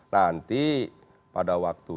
nanti pada waktu